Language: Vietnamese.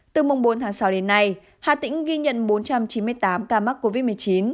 từ mùng bốn tháng sáu đến nay hà tĩnh ghi nhận bốn trăm chín mươi tám ca mắc covid một mươi chín